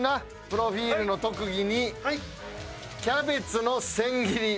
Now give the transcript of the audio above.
プロフィールの特技に「キャベツの千切りバイト９年」。